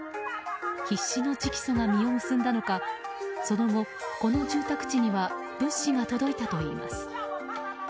必死の直訴が実を結んだのかその後、この住宅地には物資が届いたといいます。